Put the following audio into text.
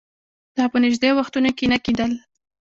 دا په نژدې وختونو کې نه کېدل